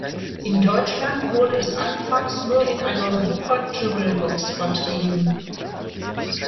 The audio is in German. In Deutschland wurde es anfangs nur in einer Super Jewel Box vertrieben.